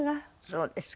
そうですか。